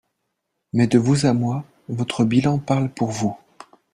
Mais, de vous à moi, votre bilan parle pour vous.